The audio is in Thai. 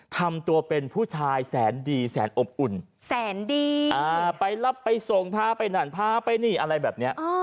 ทำตัวเป็นผู้ชายแสนดีแสนอบอุ่นไปรับไปส่งพาไปหนั่นพาอะไรแบบนี้